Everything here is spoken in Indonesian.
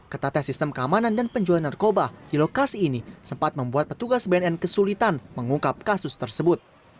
ketatnya sistem keamanan dan penjualan narkoba di lokasi ini sempat membuat petugas bnn kesulitan mengungkap kasus tersebut